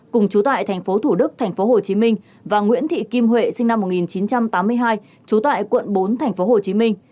cùng chú tại tp thủ đức tp hcm và nguyễn thị kim huệ sinh năm một nghìn chín trăm tám mươi hai chú tại quận bốn tp hcm